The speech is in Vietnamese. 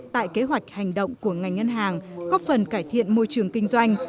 tại kế hoạch hành động của ngành ngân hàng góp phần cải thiện môi trường kinh doanh